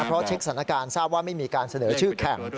เพราะเช็คสถานการณ์ทราบว่าไม่มีการเสนอชื่อแข่ง